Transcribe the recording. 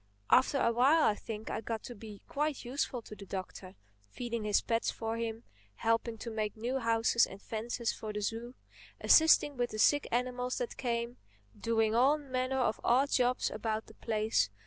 After a while I think I got to be quite useful to the Doctor, feeding his pets for him; helping to make new houses and fences for the zoo; assisting with the sick animals that came; doing all manner of odd jobs about the place.